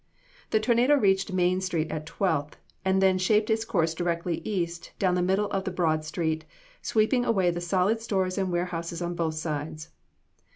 "The tornado reached Main street at Twelfth, and then shaped its course directly east down the middle of the broad street, sweeping away the solid stores and warehouses on both sides.